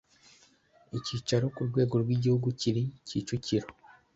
icyicaro ku rwego rw’igihugu kiri kicukiro